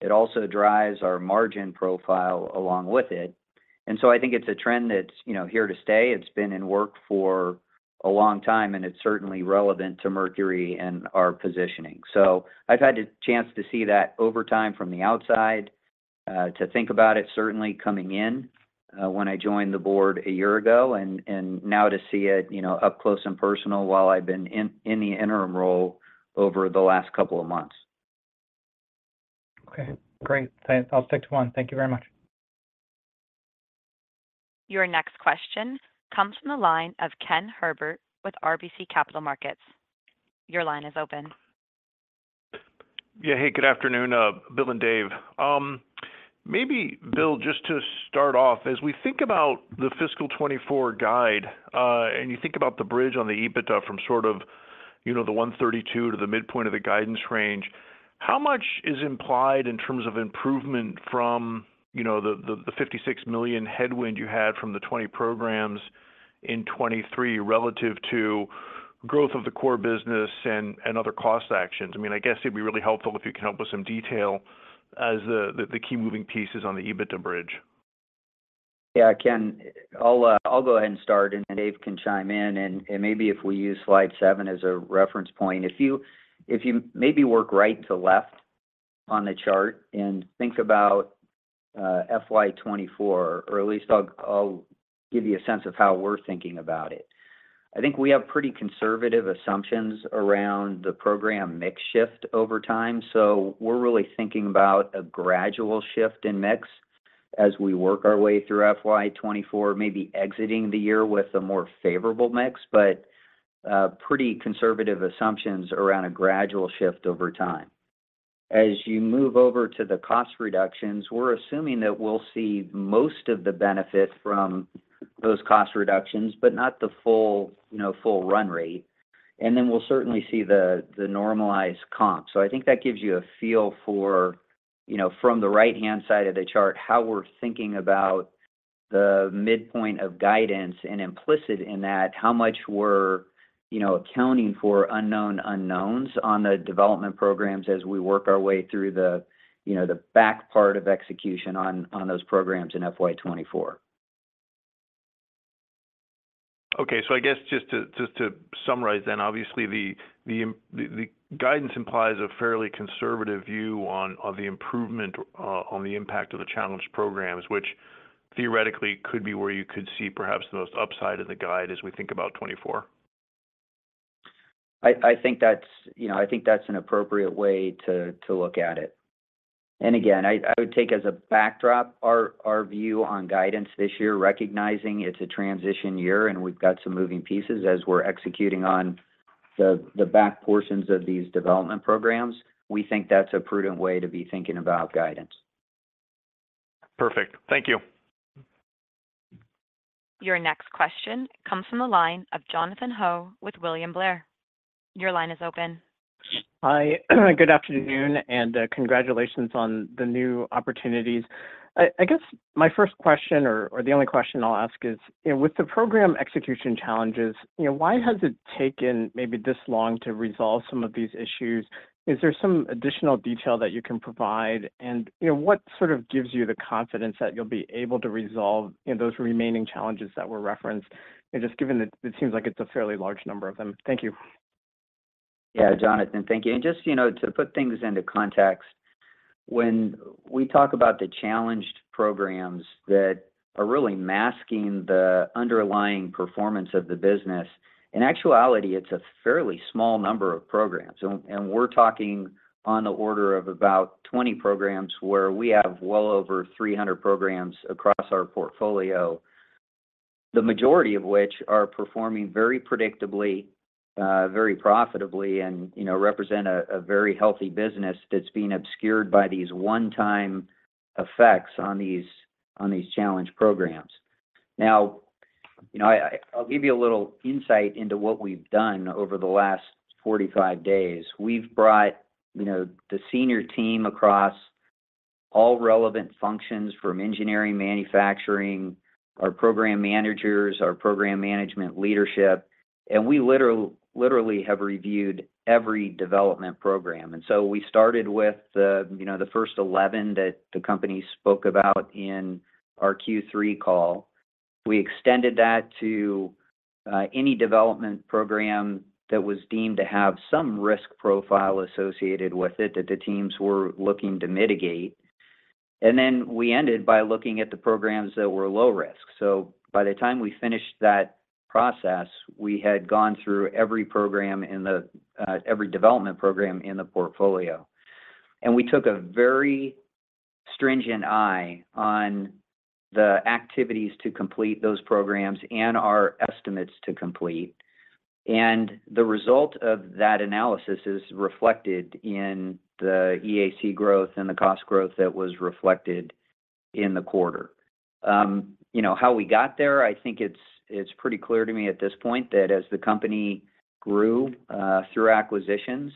It also drives our margin profile along with it. So I think it's a trend that's, you know, here to stay. It's been in work for a long time, and it's certainly relevant to Mercury and our positioning. So I've had the chance to see that over time from the outside, to think about it certainly coming in, when I joined the board a year ago, and now to see it, you know, up close and personal while I've been in, in the interim role over the last couple of months. Okay, great. Thanks. I'll stick to one. Thank you very much. Your next question comes from the line of Ken Herbert with RBC Capital Markets. Your line is open. Yeah, hey, good afternoon, Bill and Dave. Maybe, Bill, just to start off, as we think about the fiscal 2024 guide, and you think about the bridge on the EBITDA from sort of, you know, the $132 to the midpoint of the guidance range, how much is implied in terms of improvement from, you know, the $56 million headwind you had from the 20 programs in 2023 relative to growth of the core business and other cost actions? I mean, I guess it'd be really helpful if you can help with some detail as the key moving pieces on the EBITDA bridge. Yeah, Ken, I'll, I'll go ahead and start, and Dave can chime in, and, and maybe if we use slide 7 as a reference point. If you, if you maybe work right to left on the chart and think about, FY 2024, or at least I'll, I'll give you a sense of how we're thinking about it. I think we have pretty conservative assumptions around the program mix shift over time, so we're really thinking about a gradual shift in mix as we work our way through FY 2024, maybe exiting the year with a more favorable mix, but, pretty conservative assumptions around a gradual shift over time. As you move over to the cost reductions, we're assuming that we'll see most of the benefit from those cost reductions, but not the full, you know, full run rate. Then we'll certainly see the, the normalized comp. I think that gives you a feel for, you know, from the right-hand side of the chart, how we're thinking about the midpoint of guidance, and implicit in that, how much we're, you know, accounting for unknown unknowns on the development programs as we work our way through the, you know, the back part of execution on, on those programs in FY 2024. Okay. I guess just to, just to summarize then, obviously, the guidance implies a fairly conservative view on, on the improvement, on the impact of the challenged programs, which theoretically could be where you could see perhaps the most upside in the guide as we think about 2024. I, I think that's, you know, I think that's an appropriate way to, to look at it. Again, I, I would take as a backdrop our, our view on guidance this year, recognizing it's a transition year, and we've got some moving pieces as we're executing on the, the back portions of these development programs. We think that's a prudent way to be thinking about guidance. Perfect. Thank you. Your next question comes from the line of Jonathan Ho with William Blair. Your line is open. Hi. Good afternoon, and congratulations on the new opportunities. I, I guess my first question, or, or the only question I'll ask, is, you know, with the program execution challenges, you know, why has it taken maybe this long to resolve some of these issues? Is there some additional detail that you can provide? You know, what sort of gives you the confidence that you'll be able to resolve, you know, those remaining challenges that were referenced, and just given that it seems like it's a fairly large number of them? Thank you. Yeah, Jonathan, thank you. Just, you know, to put things into context, when we talk about the challenged programs that are really masking the underlying performance of the business, in actuality, it's a fairly small number of programs. And we're talking on the order of about 20 programs, where we have well over 300 programs across our portfolio, the majority of which are performing very predictably, very profitably, and, you know, represent a, a very healthy business that's being obscured by these one-time effects on these, on these challenged programs. Now, you know, I, I'll give you a little insight into what we've done over the last 45 days. We've brought, you know, the senior team across all relevant functions from engineering, manufacturing, our program managers, our program management leadership, and we literally, literally have reviewed every development program. We started with the, you know, the first 11 that the company spoke about in our Q3 call. We extended that to any development program that was deemed to have some risk profile associated with it, that the teams were looking to mitigate. Then we ended by looking at the programs that were low risk. By the time we finished that process, we had gone through every program in the, every development program in the portfolio. We took a very stringent eye on the activities to complete those programs and our estimates to complete. The result of that analysis is reflected in the EAC growth and the cost growth that was reflected-... in the quarter. You know, how we got there, I think it's, it's pretty clear to me at this point that as the company grew through acquisitions,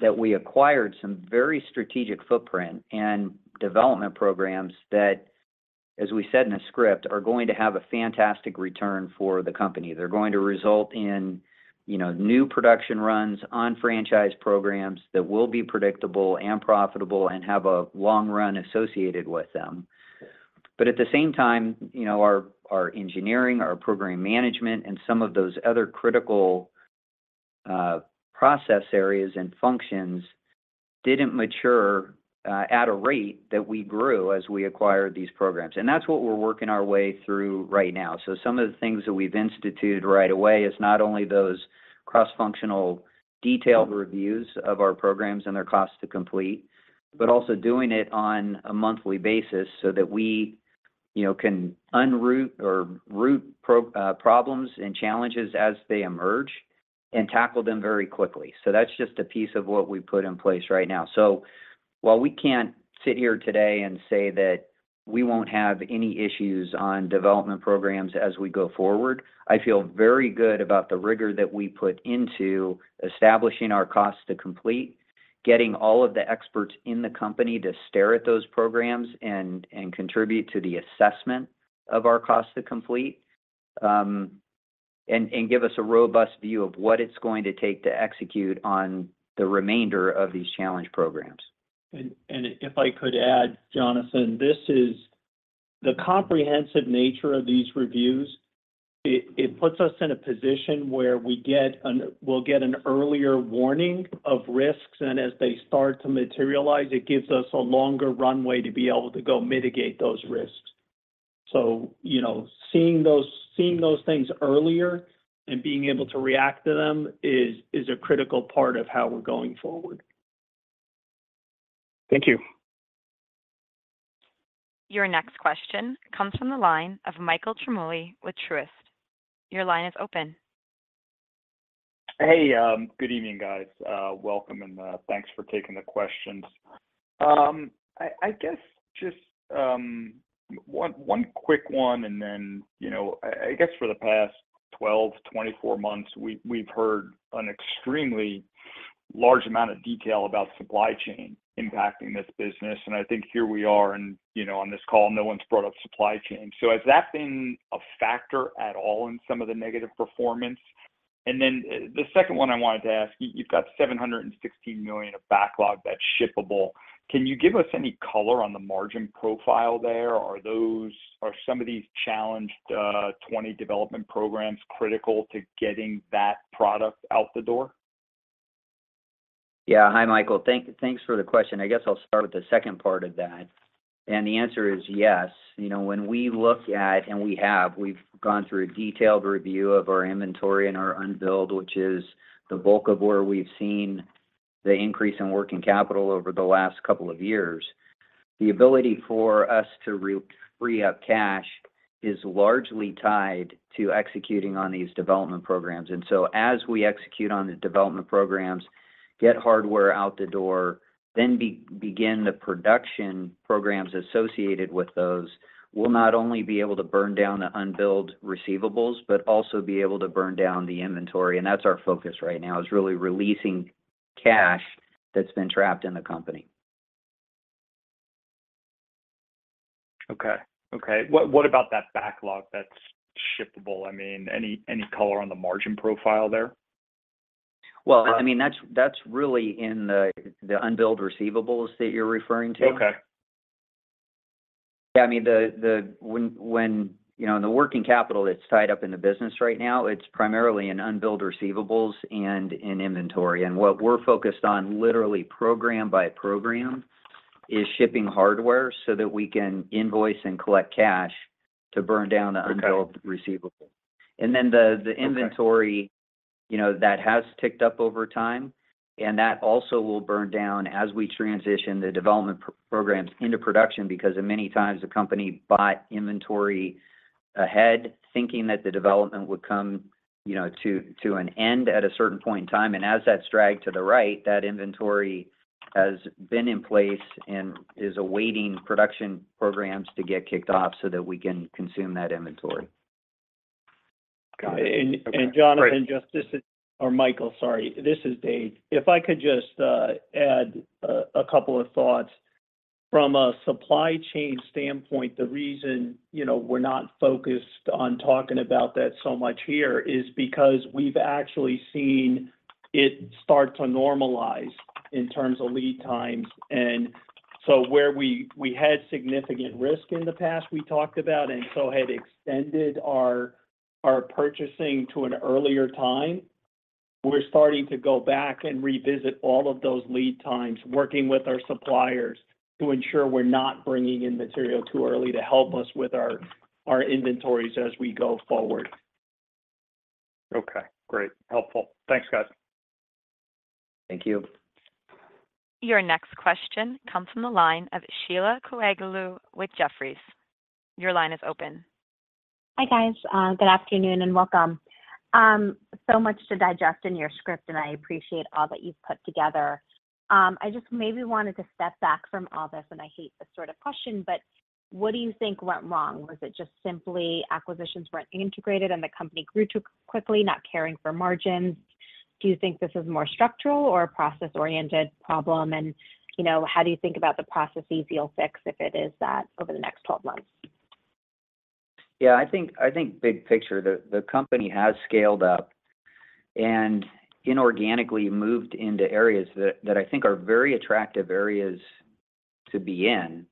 that we acquired some very strategic footprint and development programs that, as we said in the script, are going to have a fantastic return for the company. They're going to result in, you know, new production runs on franchise programs that will be predictable and profitable and have a long run associated with them. At the same time, you know, our, our engineering, our program management, and some of those other critical process areas and functions didn't mature at a rate that we grew as we acquired these programs. That's what we're working our way through right now. Some of the things that we've instituted right away is not only those cross-functional detailed reviews of our programs and their costs to complete, but also doing it on a monthly basis so that we, you know, can unroot or root problems and challenges as they emerge and tackle them very quickly. That's just a piece of what we've put in place right now. While we can't sit here today and say that we won't have any issues on development programs as we go forward, I feel very good about the rigor that we put into establishing our costs to complete, getting all of the experts in the company to stare at those programs and, and contribute to the assessment of our costs to complete, and, and give us a robust view of what it's going to take to execute on the remainder of these challenged programs. And if I could add, Jonathan, this is the comprehensive nature of these reviews. It puts us in a position where we'll get an earlier warning of risks, and as they start to materialize, it gives us a longer runway to be able to go mitigate those risks. You know, seeing those, seeing those things earlier and being able to react to them is, is a critical part of how we're going forward. Thank you. Your next question comes from the line of Michael Ciarmoli with Truist. Your line is open. Hey, good evening, guys. Welcome, and thanks for taking the questions. I guess just one quick one, and then, you know, for the past 12-24 months, we've heard an extremely large amount of detail about supply chain impacting this business, and I think here we are and, you know, on this call, no one's brought up supply chain? Has that been a factor at all in some of the negative performance? The second one I wanted to ask, you've got $716 million of backlog that's shippable. Can you give us any color on the margin profile there? Are some of these challenged, 20 development programs critical to getting that product out the door? Yeah. Hi, Michael. Thanks for the question. I guess I'll start with the second part of that, and the answer is yes. You know, when we look at, and we have, we've gone through a detailed review of our inventory and our unbilled, which is the bulk of where we've seen the increase in working capital over the last couple of years. The ability for us to free up cash is largely tied to executing on these development programs. So as we execute on the development programs, get hardware out the door, then begin the production programs associated with those, we'll not only be able to burn down the unbilled receivables, but also be able to burn down the inventory. That's our focus right now, is really releasing cash that's been trapped in the company. Okay. Okay, what, what about that backlog that's shippable? I mean, any, any color on the margin profile there? Well, I mean, that's, that's really in the, the unbilled receivables that you're referring to. Okay. Yeah, I mean, you know, in the working capital that's tied up in the business right now, it's primarily in unbilled receivables and in inventory. What we're focused on, literally program by program, is shipping hardware so that we can invoice and collect cash to burn down the- Okay... unbilled receivable. Okay... you know, that has ticked up over time, and that also will burn down as we transition the development programs into production. Because many times, the company bought inventory ahead, thinking that the development would come, you know, to an end at a certain point in time. As that's dragged to the right, that inventory has been in place and is awaiting production programs to get kicked off so that we can consume that inventory. Got it. Okay. Great. Jonathan, just this is or Michael, sorry, this is Dave. If I could just add a couple of thoughts. From a supply chain standpoint, the reason, you know, we're not focused on talking about that so much here is because we've actually seen it start to normalize in terms of lead times. Where we, we had significant risk in the past, we talked about, and so had extended our, our purchasing to an earlier time, we're starting to go back and revisit all of those lead times, working with our suppliers to ensure we're not bringing in material too early to help us with our, our inventories as we go forward. Okay, great. Helpful. Thanks, guys. Thank you. Your next question comes from the line of Sheila Kahyaoglu with Jefferies. Your line is open. Hi, guys. good afternoon and welcome. so much to digest in your script, and I appreciate all that you've put together. I just maybe wanted to step back from all this, and I hate this sort of question, but what do you think went wrong? Was it just simply acquisitions weren't integrated and the company grew too quickly, not caring for margins? Do you think this is more structural or a process-oriented problem? You know, how do you think about the processes you'll fix, if it is that, over the next 12 months? Yeah, I think, I think big picture, the, the company has scaled up and inorganically moved into areas that, that I think are very attractive areas to be in,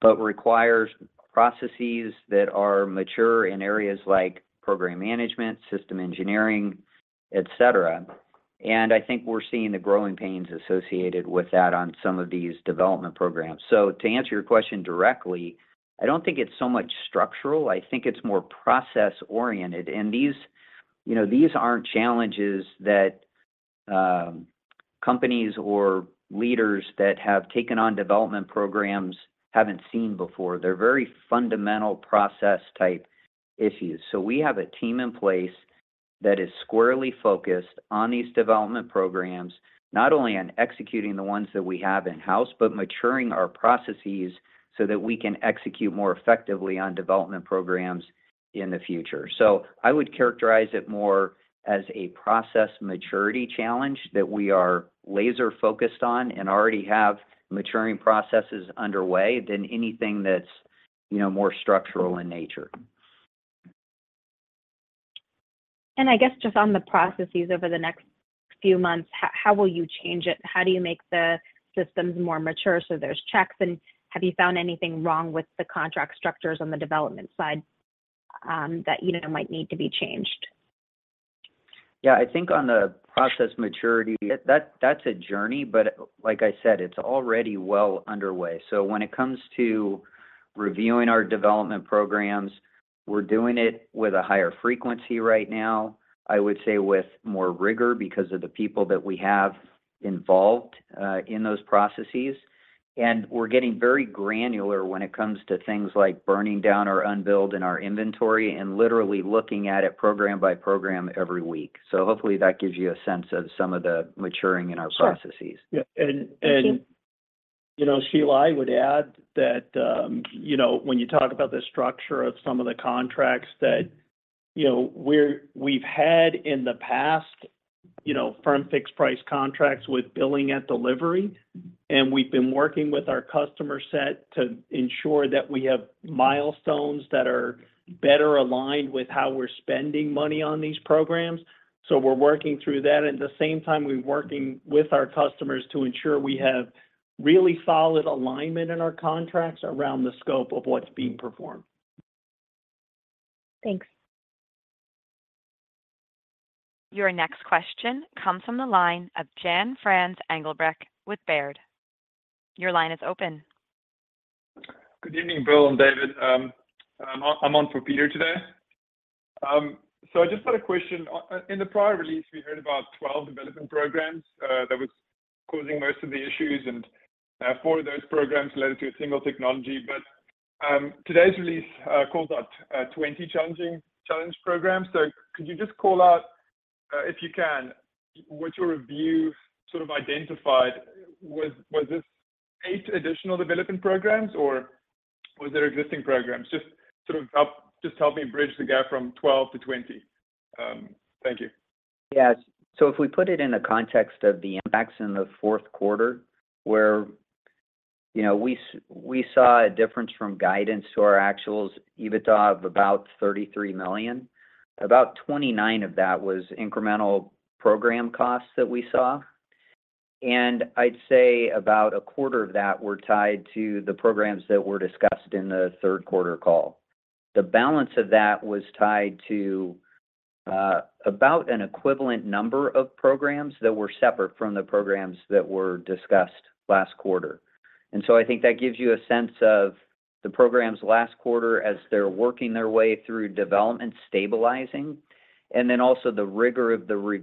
but requires processes that are mature in areas like program management, system engineering, et cetera. I think we're seeing the growing pains associated with that on some of these development programs. To answer your question directly, I don't think it's so much structural, I think it's more process-oriented. These, you know, these aren't challenges that companies or leaders that have taken on development programs haven't seen before. They're very fundamental process-type issues. We have a team in place that is squarely focused on these development programs, not only on executing the ones that we have in-house, but maturing our processes so that we can execute more effectively on development programs in the future. I would characterize it more as a process maturity challenged that we are laser-focused on and already have maturing processes underway than anything that's, you know, more structural in nature. I guess just on the processes over the next few months, how, how will you change it? How do you make the systems more mature so there's checks? Have you found anything wrong with the contract structures on the development side, that, you know, might need to be changed? Yeah, I think on the process maturity, that, that's a journey, but like I said, it's already well underway. When it comes to reviewing our development programs, we're doing it with a higher frequency right now, I would say with more rigor, because of the people that we have involved in those processes. We're getting very granular when it comes to things like burning down our unbilled and our inventory and literally looking at it program by program every week. Hopefully that gives you a sense of some of the maturing in our processes. Sure. Yeah, Thank you. You know, Sheila, I would add that, you know, when you talk about the structure of some of the contracts that, you know, we've had in the past, you know, firm-fixed-price contracts with billing at delivery. We've been working with our customer set to ensure that we have milestones that are better aligned with how we're spending money on these programs. We're working through that. At the same time, we're working with our customers to ensure we have really solid alignment in our contracts around the scope of what's being performed. Thanks. Your next question comes from the line of Jan Frans Engelbrecht with Baird. Your line is open. Good evening, Bill and David. I'm, I'm on for Peter today. I just had a question. On, in the prior release, we heard about 12 development programs that was causing most of the issues, 4 of those programs related to a single technology. Today's release calls out 20 challenged programs. Could you just call out, if you can, what your review sort of identified? Was this 8 additional development programs or was there existing programs? Help me bridge the gap from 12 to 20. Thank you. Yes. If we put it in the context of the impacts in the fourth quarter, where, you know, we saw a difference from guidance to our actuals, EBITDA of about $33 million. About $29 of that was incremental program costs that we saw, and I'd say about a quarter of that were tied to the programs that were discussed in the third quarter call. The balance of that was tied to about an equivalent number of programs that were separate from the programs that were discussed last quarter. I think that gives you a sense of the programs last quarter as they're working their way through development, stabilizing, and then also the rigor of the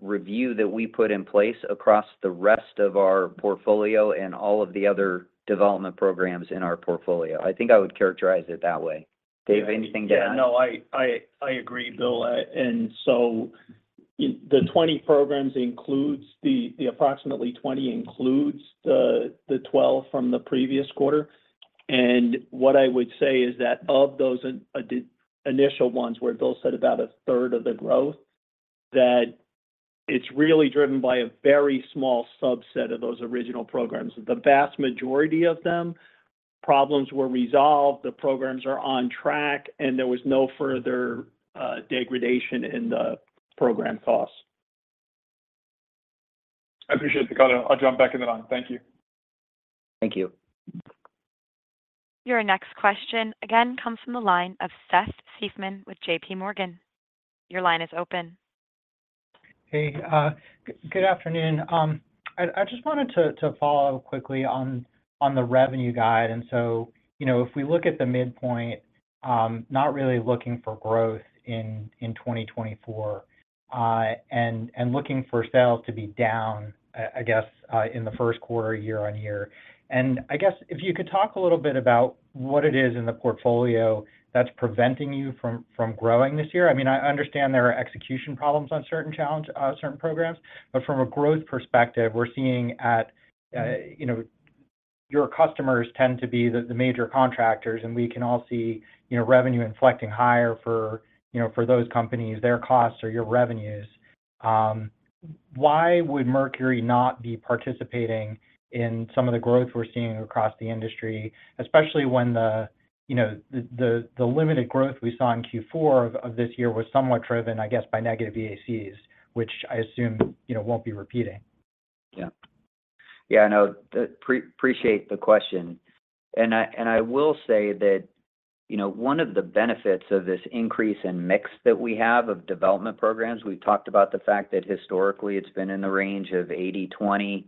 review that we put in place across the rest of our portfolio and all of the other development programs in our portfolio. I think I would characterize it that way. Dave, anything to add? No, I, I, I agree, Bill. In- the 20 programs includes the- the approximately 20 includes the, the 12 from the previous quarter. What I would say is that of those, initial ones, where Bill said about a third of the growth, that it's really driven by a very small subset of those original programs. The vast majority of them, problems were resolved, the programs are on track, and there was no further, degradation in the program costs. I appreciate the color. I'll jump back in the line. Thank you. Thank you. Your next question again comes from the line of Seth Seifman with JP Morgan. Your line is open. Hey, good afternoon. I just wanted to follow quickly on the revenue guide. You know, if we look at the midpoint- not really looking for growth in 2024, and looking for sales to be down, I guess, in the first quarter, year-on-year. I guess if you could talk a little bit about what it is in the portfolio that's preventing you from growing this year. I mean, I understand there are execution problems on certain challenge, certain programs, but from a growth perspective, we're seeing at, you know, your customers tend to be the major contractors, and we can all see, you know, revenue inflecting higher for, you know, for those companies, their costs or your revenues. Why would Mercury not be participating in some of the growth we're seeing across the industry? Especially when the, you know, the, the, the limited growth we saw in Q4 of, of this year was somewhat driven, I guess, by negative VACs, which I assume, you know, won't be repeating. Yeah. Yeah, I know. Appreciate the question, and I will say that, you know, one of the benefits of this increase in mix that we have of development programs, we've talked about the fact that historically it's been in the range of 80/20,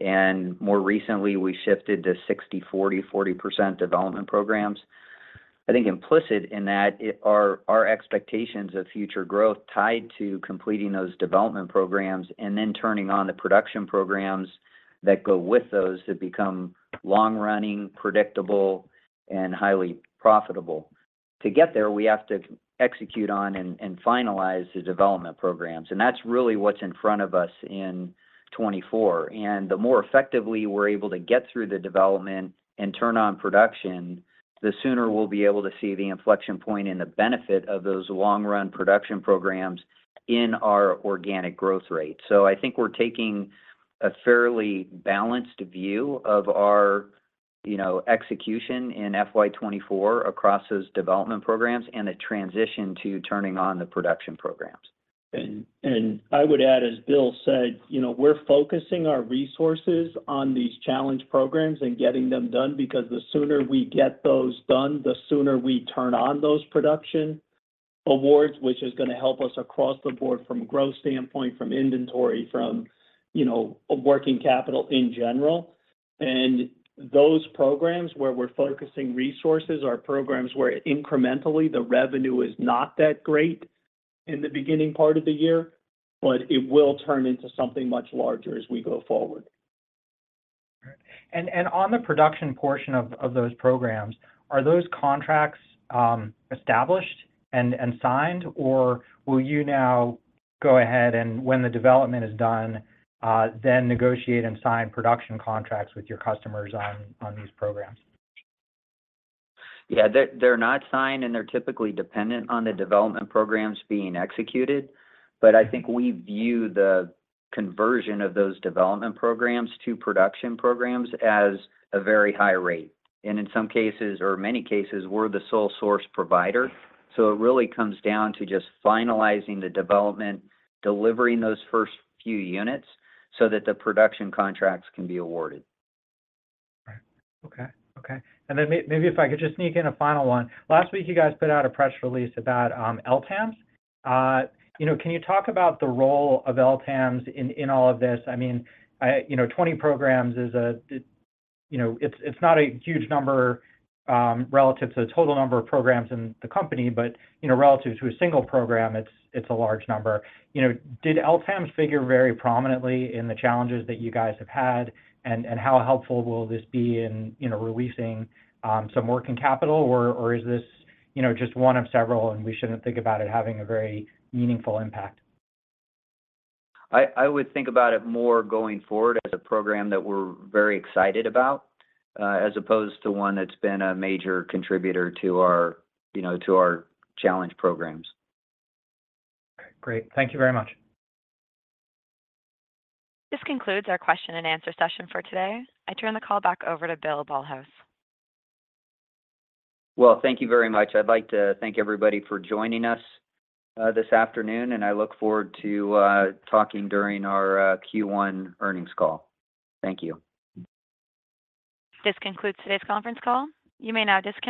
and more recently we shifted to 60/40, 40% development programs. I think implicit in that are our expectations of future growth tied to completing those development programs and then turning on the production programs that go with those that become long running, predictable, and highly profitable. To get there, we have to execute on and finalize the development programs, and that's really what's in front of us in 2024. The more effectively we're able to get through the development and turn on production, the sooner we'll be able to see the inflection point and the benefit of those long run production programs in our organic growth rate. I think we're taking a fairly balanced view of our, you know, execution in FY 2024 across those development programs and the transition to turning on the production programs. I would add, as Bill said, you know, we're focusing our resources on these challenged programs and getting them done, because the sooner we get those done, the sooner we turn on those production awards, which is gonna help us across the board from a growth standpoint, from inventory, from, you know, working capital in general. Those programs where we're focusing resources are programs where incrementally the revenue is not that great in the beginning part of the year, but it will turn into something much larger as we go forward. On the production portion of those programs, are those contracts established and signed, or will you now go ahead and when the development is done, then negotiate and sign production contracts with your customers on these programs? Yeah. They're, they're not signed, they're typically dependent on the development programs being executed. I think we view the conversion of those development programs to production programs as a very high rate, and in some cases, or many cases, we're the sole source provider. It really comes down to just finalizing the development, delivering those first few units so that the production contracts can be awarded. Right. Okay. Okay. Then maybe if I could just sneak in a final one. Last week, you guys put out a press release about LTAMDS. You know, can you talk about the role of LTAMDS in, in all of this? I mean, I, you know, 20 programs is a, you know, it's, it's not a huge number, relative to the total number of programs in the company, but, you know, relative to a single program, it's, it's a large number. You know, did LTAMDS figure very prominently in the challenges that you guys have had, and, and how helpful will this be in, you know, releasing some working capital? Or, or is this, you know, just one of several, and we shouldn't think about it having a very meaningful impact? I, I would think about it more going forward as a program that we're very excited about, as opposed to one that's been a major contributor to our, you know, to our challenged programs. Okay, great. Thank you very much. This concludes our question and answer session for today. I turn the call back over to Bill Ballhaus. Well, thank you very much. I'd like to thank everybody for joining us this afternoon, and I look forward to talking during our Q1 earnings call. Thank you. This concludes today's conference call. You may now disconnect.